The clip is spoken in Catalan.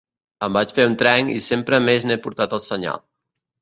Em vaig fer un trenc, i sempre més n'he portat el senyal.